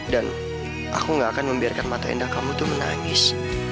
dan aku gak akan membiarkan mata indah kamu tuh menangis